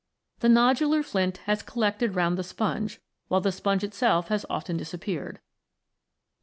The nodular flint has collected round the sponge, while the sponge itself has often disappeared.